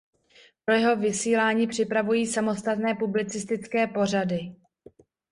Pro jeho vysílání připravují samostatné publicistické pořady.